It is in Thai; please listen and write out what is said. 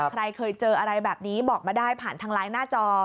ใครเคยเจออะไรแบบนี้บอกมาได้ผ่านทางไลน์หน้าจอ